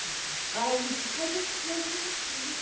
あいにく風邪っぴきが増えましてね。